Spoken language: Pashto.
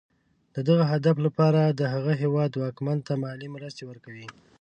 د دغه هدف لپاره د هغه هېواد واکمن ته مالي مرستې ورکوي.